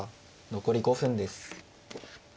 残り５分です。